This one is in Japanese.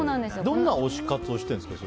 どんな推し活をしているんですか。